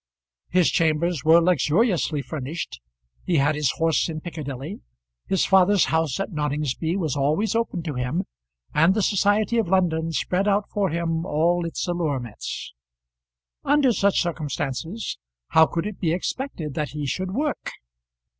His chambers were luxuriously furnished, he had his horse in Piccadilly, his father's house at Noningsby was always open to him, and the society of London spread out for him all its allurements. Under such circumstances how could it be expected that he should work?